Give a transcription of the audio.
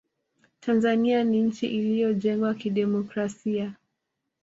tanzania ni nchi iliyojengwa kidemokrasia